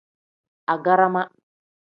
Agarama.